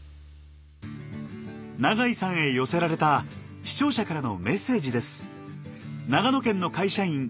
永井さんへ寄せられた視聴者からのメッセージです。